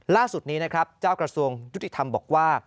ล่าสุดนี้นะครับเจ้ากระทรวงยุติธรรมบอกว่า